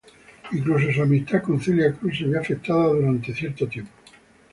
Incluso su amistad con Celia Cruz se vio afectada durante un tiempo.